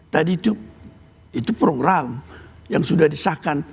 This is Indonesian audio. tadi itu program yang sudah disahkan